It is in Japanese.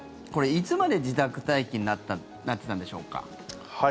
これ、いつまで自宅待機になってたんでしょうか？